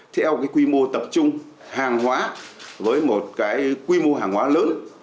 theo cái quy mô tập trung hàng hóa với một cái quy mô hàng hóa lớn